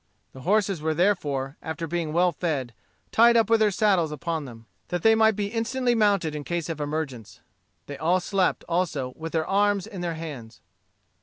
The horses were therefore, after being well fed, tied up with their saddles upon them, that they might be instantly mounted in case of emergence. They all slept, also, with their arms in their hands.